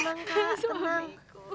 tenang kak tenang